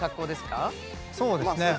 そうですね。